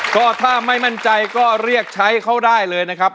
ก็ถ้าไม่มั่นใจก็เรียกใช้เขาได้เลยนะครับ